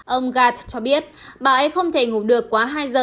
ông garth cho biết bà ấy không thể ngủ được quá hai giờ